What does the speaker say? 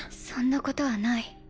そんなことはない